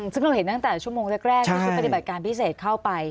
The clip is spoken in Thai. ซึ่งเราเห็นตั้งแต่ชั่วโมงแรกมีชุดปฏิบัติการพิเศษเข้าไป